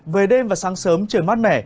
về đêm và sáng sớm trời mát mẻ